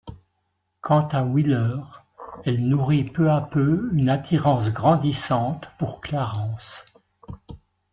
Quant à Wheeler, elle nourrit peu à peu une attirance grandissante pour Clarence.